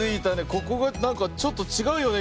ここがなんかちょっとちがうよね